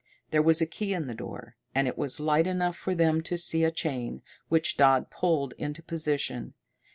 There was a key in the door, and it was light enough for them to see a chain, which Dodd pulled into position.